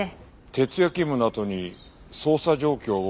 徹夜勤務のあとに捜査状況を聞きに来たのか？